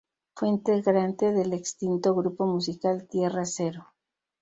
Fue integrante del extinto grupo musical Tierra Cero.